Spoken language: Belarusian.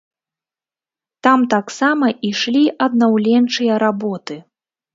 Там таксама ішлі аднаўленчыя работы.